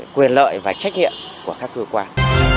quyền lợi và trách nhiệm của các cơ quan